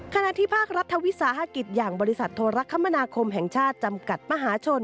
ขณะที่ภาครัฐวิสาหกิจอย่างบริษัทโทรคมนาคมแห่งชาติจำกัดมหาชน